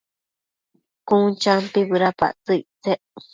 Cun champi bëdapactsëc ictsec